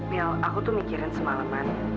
mil aku tuh mikirin semalaman